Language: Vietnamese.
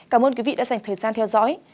cảm ơn quý vị đã dành thời gian theo dõi